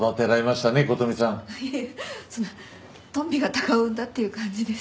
いえそんな鳶が鷹を生んだっていう感じです。